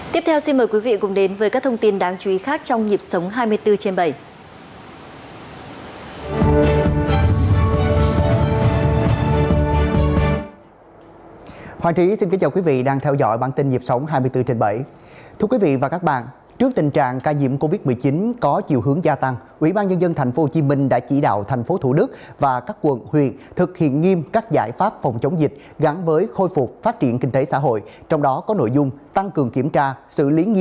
tiếp theo xin mời quý vị cùng đến với các thông tin đáng chú ý khác trong nhịp sống hai mươi bốn trên bảy